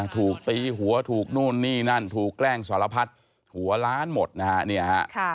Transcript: ถูกตีหัวถูกนู่นนี่นั่นถูกแกล้งสารพัดหัวล้านหมดนะฮะเนี่ยฮะ